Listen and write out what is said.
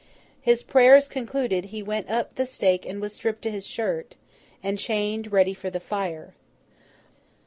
His prayers concluded, he went up to the stake and was stripped to his shirt, and chained ready for the fire.